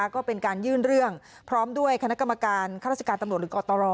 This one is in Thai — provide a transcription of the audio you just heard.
ก็เป็นการยื่นเรื่องพร้อมด้วยคณะกรรมการข้าราชการตำรวจหรือกตร